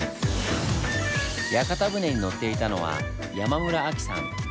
屋形船に乗っていたのは山村亜希さん。